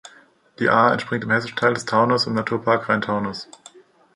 Die Aar entspringt im hessischen Teil des Taunus im Naturpark Rhein-Taunus.